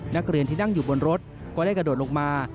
นักเรียนที่นั่งอยู่บนรถก็ได้กระโดดลงมา